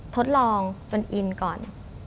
ทดลองจนอินก่อน